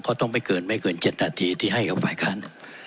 ก็ต้องไม่เกิน๗นาทีที่ให้กับฝ่ายการ